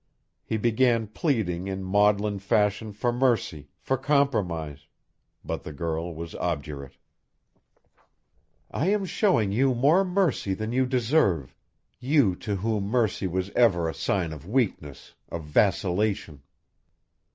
He began pleading in maudlin fashion for mercy, for compromise. But the girl was obdurate. "I am showing you more mercy than you deserve you to whom mercy was ever a sign of weakness, of vacillation.